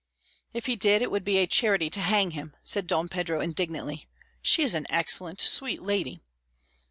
"If he did it would be a charity to hang him," said Don Pedro indignantly. "She is an excellent, sweet lady."